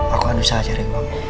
aku akan usaha cari uang